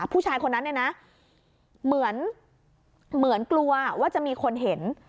ผู้ชายคนนั้นเนี่ยนะเหมือนกลัวว่าจะมีคนเห็น